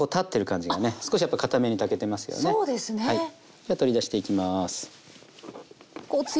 じゃあ取り出していきます。